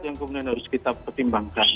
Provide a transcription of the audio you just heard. yang kemudian harus kita pertimbangkan